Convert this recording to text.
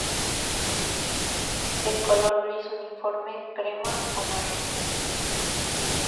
De color gris uniforme, crema o marrón.